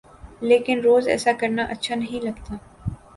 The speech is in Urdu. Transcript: لیکن روز ایسا کرنا اچھا نہیں لگتا۔